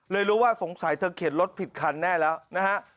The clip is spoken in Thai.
รู้ว่าสงสัยเธอเข็นรถผิดคันแน่แล้วนะฮะ